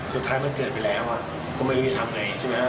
สุดท้ายมันเกิดไปแล้วก็ไม่มีทางไหนใช่ไหมครับ